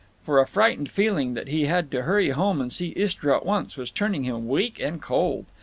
For a frightened feeling that he had to hurry home and see Istra at once was turning him weak and cold.